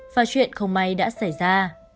và chuyện không may đã xảy ra